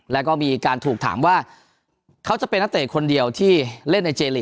แล้วก็มีการถูกถามว่าเขาจะเป็นนักเตะคนเดียวที่เล่นในเจลีก